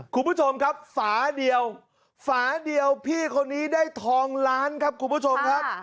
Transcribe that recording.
คุณผู้ชมครับฝาเดียวฝาเดียวพี่คนนี้ได้ทองล้านครับคุณผู้ชมครับ